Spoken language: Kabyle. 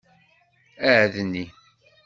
Adni.